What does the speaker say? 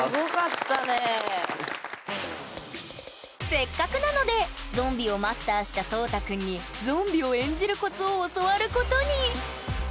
せっかくなのでゾンビをマスターした颯太くんにゾンビを演じるコツを教わることに！